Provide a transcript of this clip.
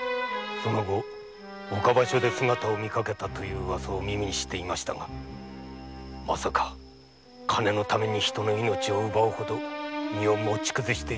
その後岡場所で姿を見かけたというウワサを耳にしていましたがまさか金のために人の命を奪うほど身を持ちくずしていようとは。